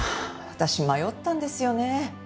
私迷ったんですよね。